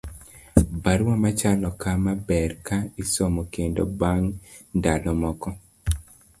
barua machalo kama ber ka isomo kendo bang' ndalo moko